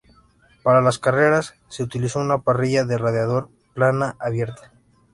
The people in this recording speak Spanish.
Para las carreras, se utilizó una parrilla de radiador plana abierta.